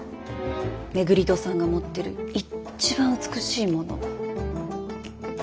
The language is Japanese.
廻戸さんが持ってるいっちばん美しいもの。